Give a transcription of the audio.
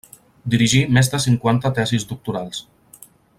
Dirigí més de cinquanta tesis doctorals.